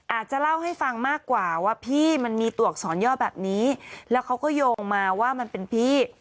อาจจะเล่าให้ฟังมากกว่าว่าพี่มันมีตัวอักษรย่อแบบนี้แล้วเขาก็โยงมาว่ามันเป็นพี่